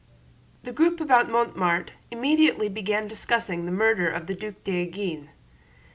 The group about Mortemart immediately began discussing the murder of the Duc d'Enghien.